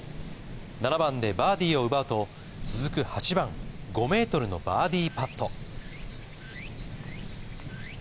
７番でバーディーを奪うと続く８番、５ｍのバーディーパット。